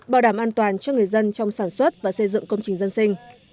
bảo đảm an toàn cho người dân trong sản xuất và xây dựng công trình dân sinh